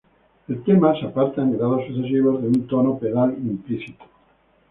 El tema se aparta en grados sucesivos de un tono pedal implícito.